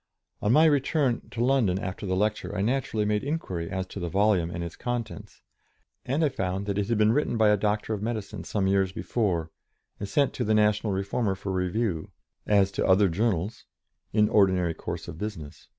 On my return to London after the lecture I naturally made inquiry as to the volume and its contents, and I found that it had been written by a Doctor of Medicine some years before, and sent to the National Reformer for review, as to other journals, in ordinary course of business.